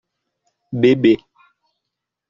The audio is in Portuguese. Bebê